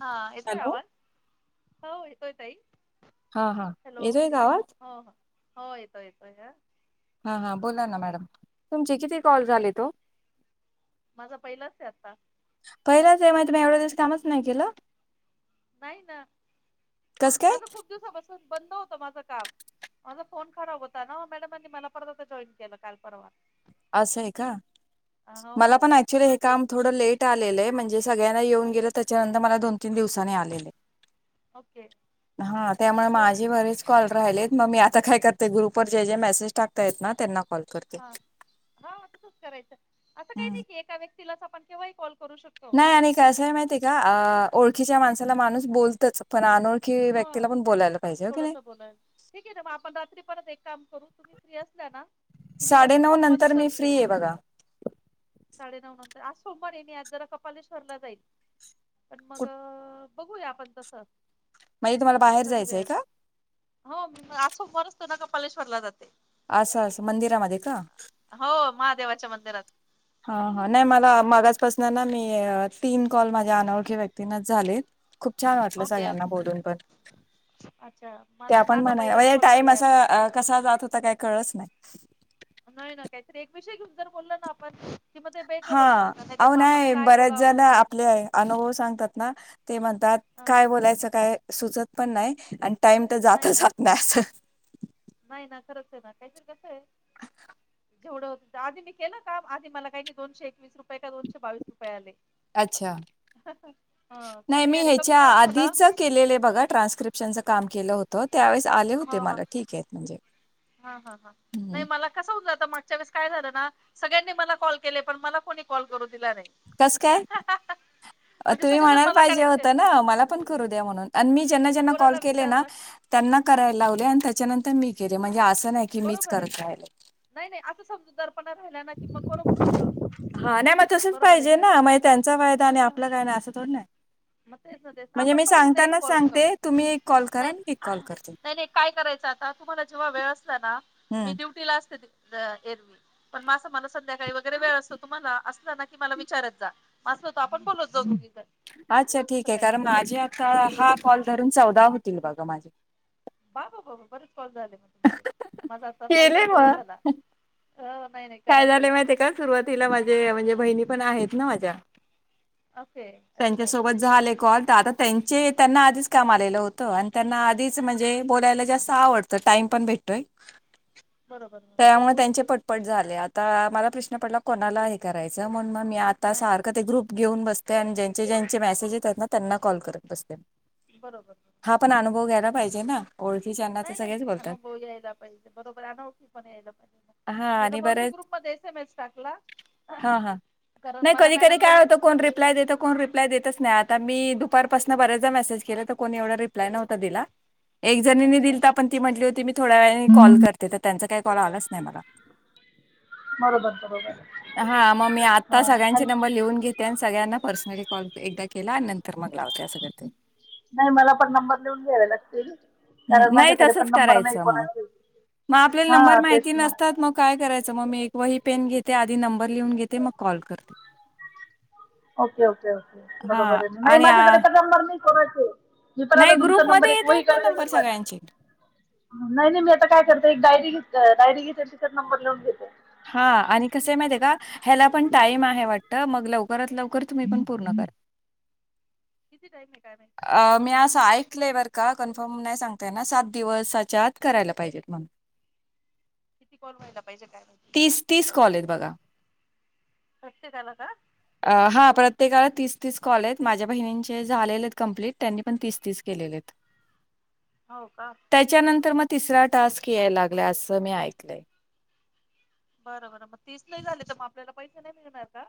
हा, येतोय हॅलो आवाज? हो, येतोय ताई. हा हा हॅलो? येतोय का आवाज हो हो, येतोय, येतोय, हा. हा हा, बोला ना मॅडम. तुमचे किती कॉल झालेत ओ? माझा पहिलाच ये आता पहिलाच [unintelligible] आहे, मग तुम्ही एवढ्या दिवस कामच नाही केलं? नाही ना, कसं काय माझं खूप दिवसापसून बंद होत माझं काम. माझा फोन खराब होता ना, मॅडमानी मला परत जॉईन केलं, काल, परवा. असं आहे का? मला पण क्चुली हे काम थोडं लेट आलेलं आहे, म्हणजे सगळ्यांना येऊन गेलं, त्याच्यानंतर मला दोन तीन दिवसाांनी आलेलं. ओके. हा, त्यामुळे माझे बरेच कॉल राहिलेत, मग मी आता काय करते, ग्रुपवर जे जे मेसेज टाकतात ना, त्यांना कॉल करते हा. हा, तसंच करायचं. असं काही हम्म. नाही की, एका व्यक्तीलाच आपण केव्हाही कॉल करू शकतो. नाही आणि का असं आहे माहितीय का, ओळखीच्या माणसाला माणूस बोलतच, पण अनोळखी की, व्यक्तीला पण बोलायला पाहिजे, होय की नाही? ठीक आहे ना, मग आपण रात्री परत एक कॉल करू, तुम्ही फ्री असताय ना? साडे नऊ नंतर, मी फ्री आहे बघा. साडेनऊ नंतर, आज सोमवारी आहे मी आज जरा कपालेश्वरला जाईल. पण मग, बघूया आपण तस [unintelligible] कधी वेळ, का? हो, आज सोमवार असतो ना, कपालेश्वरला जाते. असं असं, मंदिरामध्ये का? हो, महादेवाच्या मंदिरात. हा हा, नाही मला, मगाजपासन ना मी, तीन कॉल माझ्या अनोळख्या व्यक्तींनाच झालेत. खूप छान वाटलं, सगळ्यांना बोलून पण ते आपण म्हणाय, म्हजे टाइम असा कसा जात होता काही कळलच नाही. नाही ना, काहीतरी एक विषय घेऊन जर बोलल ना आपण हा, अहो नाही बऱ्याच जण आपले अनुभव सांगतात ना. ते म्हणतात काय बोलायचं काय सुचत पण नाही आणि टाइम तर जातचत नाहीं. नाही ना खरंच आहे ना काहीतर कसं आहे. [unintelligible] जेवढं हो आधी मी केलं का आधी मला काही दोनशे एकवीस रुपये का दोनशे बावीस रुपये आले. अच्छा! नाही मी ह्याच्या आधीच केलेलं बघा ट्रान्क्रिप्शनच काम केलं हों त त्यावेेळेस आले होते मला ठीक आहे म्हणजे हम्. कस होत आता मागच्या वेळेस काय झालं ना सगळ्यांनी मला कॉल केले पण मला कोणी कॉल करू दिला नाही. कस काय तुम्ही म्हणायला पाहिजे होत ना मला पण करू द्या म्हणून, आणि मी ज्यांना-ज्यानां काॅल केले ना त्यांना कराय लावल आणि त्याच्यानंतर मी केलं म्हणजे असं नाही की मीच बरोबर आहे, करत राहिले नाही नाही असं समजू दर्पणा राहिला ना की मग बरोबर होत. हा नाही मग तसंच पाहिजे ना मग त्यांचा फयदा आणि आपला काय नाही असं थोडी ना. म्हणजे मी सांगतानाच सांगते तुम्ही एक कॉल करा मी एक कॉल करते. नाही नाही काय करायचं आता तुम्हाला जेव्हा वेळ असला ना मी हम्म ड्युटीला असते ये पण मा असं म्हनू शकतो ना जेव्हा वेळ असतो तुम्हाला असता ना की मला विचारत जा. अस होता आपण बोलत जाऊ तिथं. अच्छा ठीक आहे कारण माझे आता हा कॉल धरून चौदा होतील बघा माझे. बा, बा, बा, बा बरेच कॉल झाले मग तुमचे माझा आता पहिला केले कॉल मग झाला नाही नाही. काय झाले माहितीे का सुरुवातीला माझे म्हणजे बहिणी पण आहेत ना माझ्या. [inaudible] त्यांच्यासोबत झाले कॉल तर आता त्यांचे त्यांना आधीच काम आलेलं होतं आणि त्यांना आधीच म्हणजे बोलायला जास्त आवडतं तर टाइम पण भेटतोय. त्यामुळे त्यांचे पटपट झाले आता मला प्रश्न पडला कोणाला हे करायच म्हणून मी मी आता सारखं ते ग्रुप घेऊन बते आणि ज्यांचे-ज्यांचे मैसेज येतात ना त्यांना कॉल करत बसते. बरोबर. हा पण अनुभव घ्यायला पाहिजे ना. ओळखीच्यांना तर नाही नाही सगळेच बोलतात अनुभव घ्यायला पाहिजे बरोबर अनोखी पण यायला पाहिजे हा मी आ आणि कोणते बरेच ग्रुप मध्येे मैसेज टाकला? हा हा, नाही कधी-कधी काय होतं कोण रिप्लाय देतो कोण रि रिप्लाय देतच नाही आता मी दुपारपासून बरेचदा मैसेज केलं तर कोणी एवढा रिप्लाय नव्हता दिला. एक जणीने दिलता पण ती म्हटली होती मी थोड्या वेळाने कॉल करते तर त्यांचा काही कॉल आलाच नाही मला. बरोबर बरोबर. हा मग मी आत्ता हा सगळ्यांचे नंबर लिहून घेत त्यांनी सगळ्यांना पर्सनली कॉल एकदा केला आणि नंतर मग लावते सगळ ते. नाही मला पण नंबर लिहून घ्यावे लागतील. कारण हम् नाही माझ्याकडे पण तसच नंबर नाही करायचं मग, कोणाचे मग आपल्याला हा नंबर तेच माहिती ना नसतात मग काय करायचं मग मी एक वही पेन घेते आधी नंबर लिहून घेते मग कॉल करते. ओके ओके, हा बरोबर आहे नाही आणि आ, माझ्याकडे तर नंबर नाही करायच. मी पण नाही आता तुमचा नंबर ग्रुपमध्ये एक येत वही आहेत ना करायलो मी नंबर पण. सगळ्यांचे. नाही नाही मी आता काय करतो एक डायरी घेत, डायरी घेत तिच्यात नंबर लिवून घेते. हा आणि कसं आहे माहिते का ह्याला पण टाइम आहे वाटत मग लवकरात लवकर तुम्ही पण पूर्ण करा. [unintelligible] किती टाइम आहे काय माहित? अ मी असं ऐकलंय बर का कन्फर्म नाही सांगताय ना सात दिवसाच्यात करायला पाहिजेत म्हण. [inaudible] किती कॉल व्हायला पाहिजे काय? तीस-तीस कॉल हायत बघा. [unintelligible] आ हा प्रत्येकाला तीस-तीस कॉल आहेत माझ्या बहिणींचे झालेले कंप्लीट त्यांनी पण तीस तीस केलेले त. [inaudible] हो का? त्याच्यानंतर म तिसरा टास्क यायला लागला असं मी ऐकलंय. बरं बरं म तीस नाही झाले तर म आपल्याला पैसे नाही मिळणार का?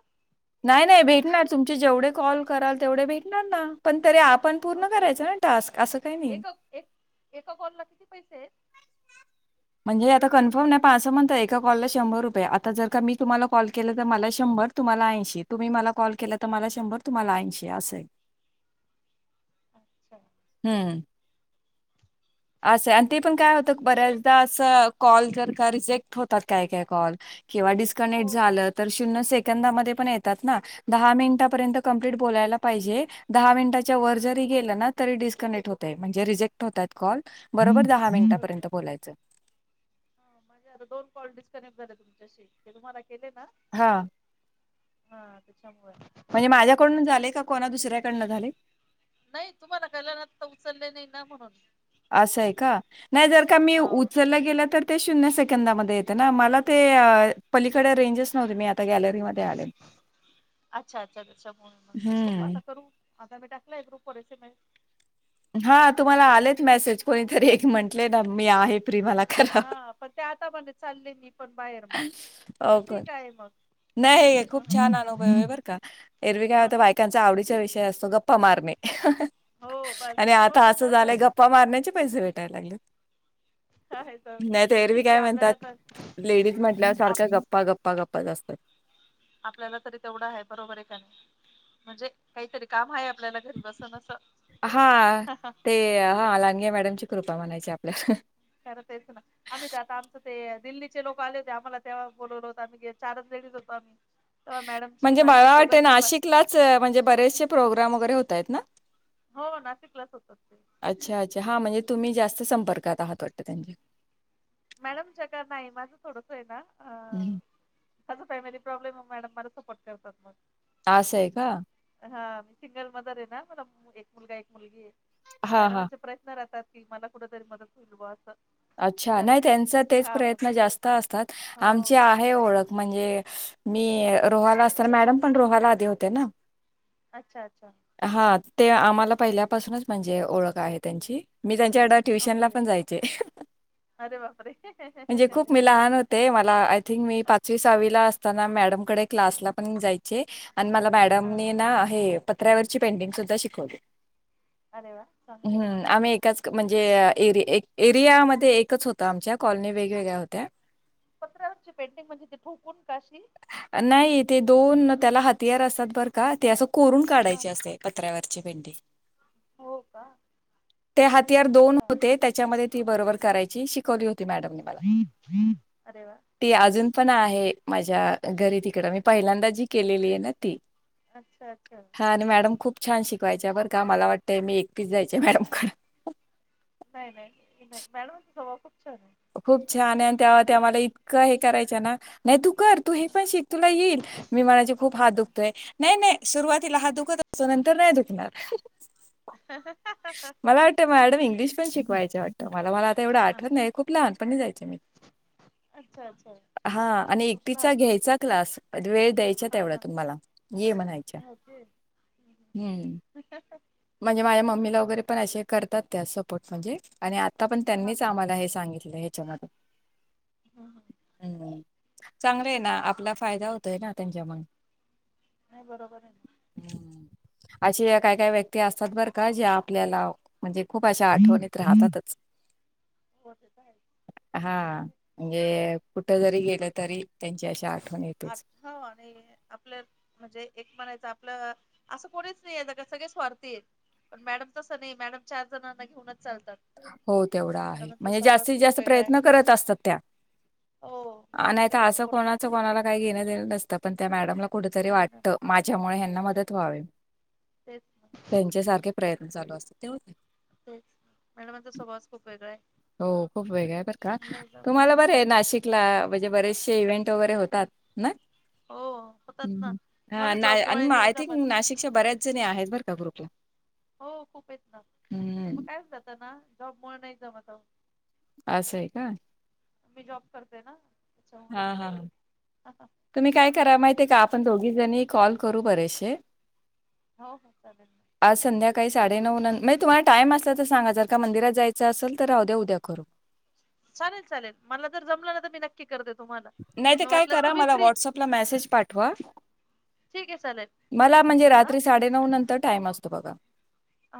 नाही नाही भेटणार तुमचे जेवढे कॉल कराल तेवढे भेटणार ना पण तरी आपण पूर्ण करायचं आ टास्क असं काही नाही. एका कॉल ला किती पैसे आहेत? म्हणजे आता कन्फर्म न्हाय पाचं म्हणत एका कॉलला शंभर रुपये आता जर का मी तुम्हाला कॉल केलं तर मला शंभर? तुम्हाला ऐंशी तुम्ही मला कॉल केला तर मला शंभर तुम्हाला ऐंशी असेल हम्म! असं आहे आणि ते पण काय होत बऱ्याचदा असं कॉल जर का रिजेक्ट होतात काय काय कॉल किंवा डिस्कनेक्ट झालं तर शून्य सेकंदामध्ये पण येतात ना? दहा मिनिटापर्यंत कंप्लीट बोलायला पाहिजे दहा मिनिटाच्या वर जरी गेलं ना तरी डिस्कनेक्ट होतय म्हणजे रिजेक्ट होतात कॉल बरोबर दहा मिनिटापर्यंत बोलायच. म्हणजे आता दोन कॉल डिस्कनेक्ट झाले तुमच्याशी ते तुम्हाला केले ना? हा! हा आमच्यामुळं. म्हणजे माझ्याकडून झाले का कोणा दुसऱ्याकडनं झाले? नाही तुम्हाला केल्याल आता उचलले नाही ना म्हणून. असं हाय का नाही जर का मी उचलला गेला तर ते शून्य सेकंदामध्ये येते ना मला पलीकड रेंजेस हो मी आता गॅलरी मध्ये आले हम्म. आता मी टाकलाय ग्रुपवर एसमस. हा तुम्हाला आलेत मेसेज कोणीतरी एक म्हंटले ना मी आहे फ्री मला करा. ह आता त्या म्हणे चालले मी पण बाहेर म्हणे म्हणलं ओके. ठीक आहे मग. नाही खूप छान अनुभव आहे बर का एरवी काय होता बायकांचा आवडीचा विषय असतो गप्पा मारणे आणि आत त असं झालंय गप्पा मारण्याचे पैसे भेटायला लागलेत. नाही तर एरवी काय म्हणतात लेडीज म्हटल्यावर सारख गप्पा गप्पा गप्पाच असतात. आपल्याला तरी तेवढं आहे बरोबर आहे का नाही? म्हणजे काहीतरी काम आहे आपल्याला घरी बसून असं हा ते हा लांडगे मॅडमची कृपा म्हणायची आपल्यावर ह. खरं तेच ना. आम्ही तर आता आमच ते दिल्लीचे लोक आले होते, आम्हाला तेव्हा बोलवल होत आम्ही चारच लेडीज होतो [inaudible] अ मॅडमची माझी दोघांची पण च म्हणजे बरेचसे प्रोग्राम वगैरे होतायत ना? हो ना शिकलच होत मी. अच्छा अच्छा हा म्हणजे तुम्ही जास्त संपर्कात आहात वाटत त्यांच्या? मॅडम जगा नाही माझं थोडंच आहे ना अ हं. माझं फॅमिली प्रॉब्लेम मॅडम मला सपोर्ट करतात मग. आसं ए का? हा... मी सिंगल मदर ए ना... मला एक मुलगा.. एक मुलगी ए... मग हां, हां. मॅडमांचे प्रश्न राहतात कि मला कुठंतरी मदत होईल बुवा असं अच्छा... नाई त्यांचा तेच प्रयत्न जास्त असतात... आमच्या आहे ओळख म्हणजे... मी रोहाला असताना... मॅडम पण रोहाला आधी होत्या ना? अच्छा अच्छा हा... ते आम्हाला पहिल्यापासूनच म्हणजे... ओळख आहे त्यांची.. मी त्यांच्याकडे ट्युशनला पण जायचे... अहं अरे बापरे... हंहंहं. म्हणजे खूप मी लहान होते... मला... आय थिंक मी पाचवी सहावीला अस असताना मॅडमकडे क्लासला पण जायचे... आणि मला मॅडमनींना... हे पत्र्यावरची पेंटिंग सुद्धा शिकवली.... हम्म आम्ही एकाच म्हणजे एरि.. ए.. एक... एरियामध्ये एकच होतं आमच्या... कॉलनी वेगवेगळ्या होत्या. पत्र्यावरची पेंटिंग म्हणजे... ती ठोकून का अशी? नाई... ते दोन... त्याला हाथियार असतात पर का... ते असं कोरून काढायची असते... पत्र्यावरची पेंटिंग. हो का? ते हाथियार दोन होते... त्याच्यामध्ये ती बरोबर करायची, शिकवली होती मॅडमने. [inaudible] ती अजून पण आहे. ज्या घरी तिकडं, मी पहिल्यांदा जी केलेली ए ना ती. असं असं. आणि मॅडम खूप छान शिकवायच्या बरं का, मला वाटतंय मी एकटीच जायचे मॅडमकड. नाई नाई... ईतकी नाई... मॅडमचा स्वभाव खूप छान ए. खूप छान ए आणि तेव्हा त्या मला इतकं हे करायच्या ना. नाई तू कर... तू हे पण शिक... तुला येईल. मी म्हणायचे खूप हात दुखतोय... नाई नाई सुरुवातीला हात दुखत असतो... नंतर नाय दुखणार हं हं. हं हं हं. मला वाटतं, मॅडम इंग्लिश पण शिकवायच्या वाटतं... मला मला आता एवढं आठवत नाई. खूप लहानपणी जायचे मी. हा आणि एकटीचा घ्यायचा क्लास. वेळ द्यायच्या तेवढ्या त्या मला, ये म्हणायच्या... हम्म. हं हं. म्हणजे माझ्या मम्मीला वगैरे पण अशे करतात त्या... सपोर्ट म्हणजे आणि आता पण त्यांनीच आम्हाला हे सांगितलं... ह्याच्या मधे हम्म.. चांगलं ए ना... आपला फायदा होतोय ना त्यांच्यामुळे नाई बरोबर ए. अशी या... काय काय व्यक्ती असतात बर का... की ज्या आपल्याला म्हणजे... खूप अशा आठवणीत राहतातच. हा... म्हणजे... म्हणजे कुठं जरी... गेलं तरी... त्यांची अशी आठवण येतेच. हो आणी आपलं... म्हणजे एक म्हणायचं आपलं... असं कोणीच नाई ए जगात... सगळे स्वार्थी हेत. पण मॅडम तसं नई... मॅडम चार जणांना घेऊनच चालतात. हो तेवढं आहे. म्हणजे जास्तीत जास्त प्रयत्न करत असतात त्या. नाय तर असं कोणाचं कोणाला काई घेणं देणं नसतं... पण त्या मॅडमला कुठं तरी वाटतं... माझ्यामुळे ह्यांना मदत व्हावी. त्यांच्या सारखे प्रयत्न चालू असतात तेव तेच मॅडमांचा स्वभावच खूप वेगळा आय. हो खूप वेगळा ये बर का तुम्हाला बरंय नाशिक ला म्हणजे बरेचसे इव्हेंट वगैरे होतात ना हूं हूं अ नाय माय थिंक नाशिकच्या बऱ्याच जणी आहेत बर त्या ग्रुपव हो खूप येत ना पण म काय होत त्यांना जॉबमुळ नाय जमत अहो असंय का मी जॉब करते ना हा हा हा तुम्ही काय करा माहितीये का आपण दोघी जणी कॉल करू बरेचसे आज संध्याकाळी साडे नऊ नं मये तुम्हाला टाइम असला तर सांगा जर का मंदिरात जायचं असल तर राहूद्या उद्या करू. चालेल चालेल मला जर जमलं ना तर मी न क्की करते तुम्हाला नाही तर म काय वाटल्यास करा तुमी मला फ्री मेसेज पाठवा. ठीकये चालेल. मला म्हणजे रात्री साडेनऊ नंतर टाईम असतो बघा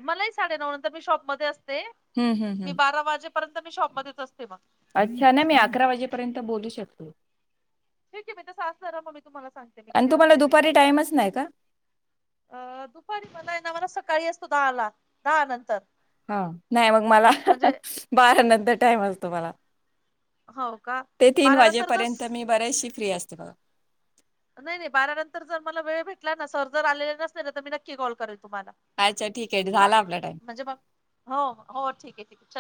मला ही साडेनऊ नंतर मी शॉपमध्ये असते हं, हं, मी हं. बारा वाजेपर्यंत मी शॉपमध्येच असते म अच्छा नाय मी अकरा वाजेपर्यंत बोलू शकते. ठीकये मी तस असलं म मी तुम्हाला सांगते मी आणि किती तुम्हाला वाजता येते दुपारी काय टाईमच नाही का? ते अ दुपारी मला ये ना मला सकाळी असतो दहाला दहा नंतर हा नाय मग मला बारा नंतर टाईम असतो मला ते तीन वाजेपर्यंत मी बऱ्याचशी फ्री असते बघा नाय नाय बारा नंतर जर मला वेळ भेटला ना सर जर आलेले नसले ना तर मी नक्की कॉल करेल तुम्हाला अच्छा ठीकये झाला आपला टाईम. म्हणजे मग हो हो ठीकये ठीकये चल